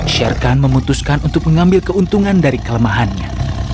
sherkan memutuskan untuk mengambil keuntungan dari kelemahan dia